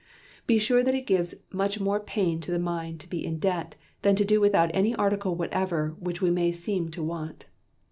"Be sure that it gives much more pain to the mind to be in debt than to do without any article whatever which we may seem to want.